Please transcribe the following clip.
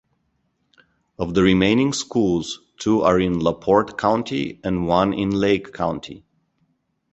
Of the remaining schools, two are in LaPorte County and one in Lake County.